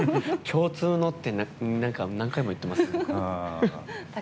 共通のって、何回も言ってますね。